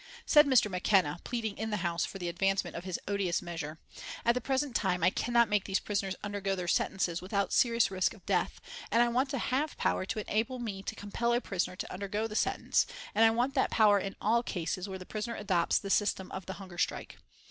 Said Mr. McKenna, pleading in the House for the advancement of his odious measure: "At the present time I cannot make these prisoners undergo their sentences without serious risk of death and I want to have power to enable me to compel a prisoner to undergo the sentence, and I want that power in all cases where the prisoner adopts the system of the hunger strike.